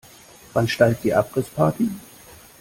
Wann steigt die Abrissparty?